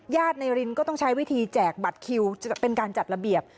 ในรินก็ต้องใช้วิธีแจกบัตรคิวเป็นการจัดระเบียบ